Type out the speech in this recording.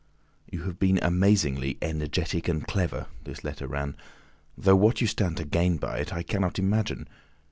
"You have been amazingly energetic and clever," this letter ran, "though what you stand to gain by it I cannot imagine.